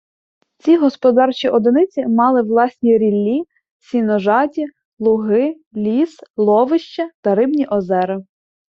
Ці господарчі одиниці мали власні ріллі, сіножаті, луги, ліс, ловища та рибні озера.